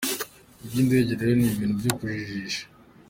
Iby’indege rero ni ibintu byo kujijisha.